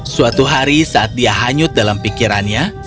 suatu hari saat dia hanyut dalam pikirannya